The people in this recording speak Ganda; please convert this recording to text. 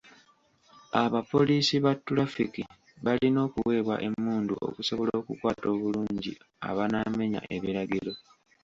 Abapoliisi ba tulafiki balina okuweebwa emmundu okusobola okukwata obulungi abanaamenya ebiragiro.